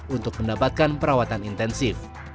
untuk mendapatkan perawatan intensif